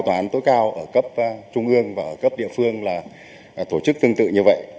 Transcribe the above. tòa án tối cao ở cấp trung ương và cấp địa phương là tổ chức tương tự như vậy